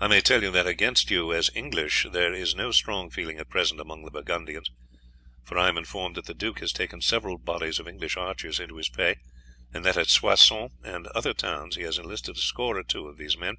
I may tell you that, against you as English there is no strong feeling at present among the Burgundians, for I am informed that the duke has taken several bodies of English archers into his pay, and that at Soissons and other towns he has enlisted a score or two of these men.